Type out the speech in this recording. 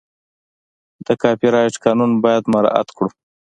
د کاپي رایټ قانون باید مراعت کړو.